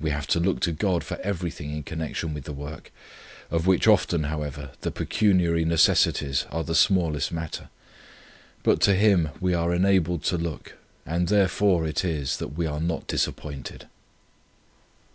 We have to look to God for everything in connection with the work, of which often, however, the pecuniary necessities are the smallest matter; but to Him we are enabled to look, and therefore it is, that we are not disappointed."